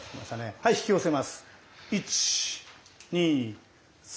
はい引き寄せます１２３！